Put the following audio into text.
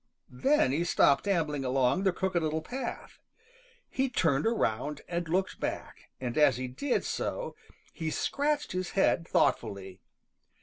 Then he stopped ambling along the Crooked Little Path. He turned around and looked back, and as he did so he scratched his head thoughtfully.